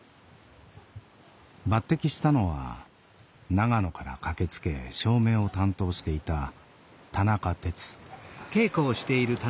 抜てきしたのは長野から駆けつけ照明を担当していた田中哲。